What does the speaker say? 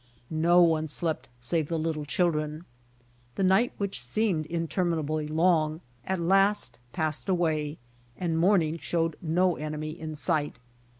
No one slept save the little children. The night which seemed interminably long at last passed away and morning showed no enemy in sight.